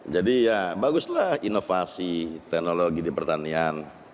jadi ya baguslah inovasi teknologi di pertanian